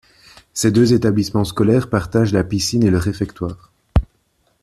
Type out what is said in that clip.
Ces deux établissements scolaires partagent la piscine et le réfectoire.